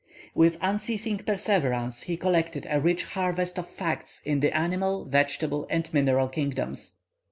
With unceasing perseverance, he collected a rich harvest of facts in the animal, vegetable, and mineral kingdoms.